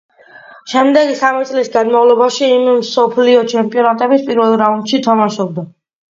შემდეგი სამი წლის განმავლობაში ის მსოფლიო ჩემპიონატების პირველ რაუნდში თამაშობდა.